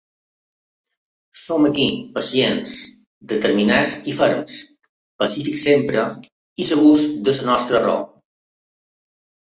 Som aquí, pacients, determinats i ferms, pacífics sempre, i segurs de la nostra raó.